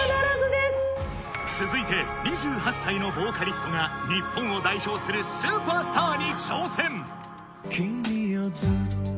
続いて２８歳のボーカリストが日本を代表するスーパースターに挑戦